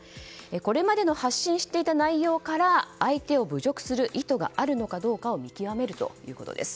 これまで発信していた内容から相手を侮辱する意図があるのかどうかを見極めるということです。